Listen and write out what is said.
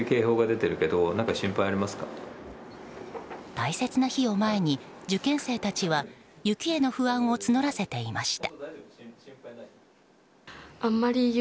大切な日を前に受験生たちは雪への不安を募らせていました。